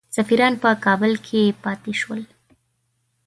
سفیران په کابل کې پاته شول.